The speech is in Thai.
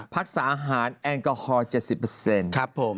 พักษาอาหารแอลกอฮอล๗๐